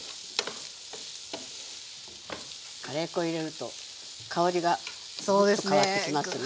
カレー粉入れると香りが変わってきますね。